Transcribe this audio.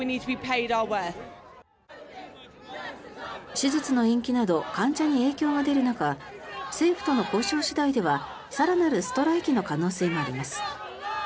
手術の延期など患者に影響が出る中政府との交渉次第では更なるストライキの可能性があります。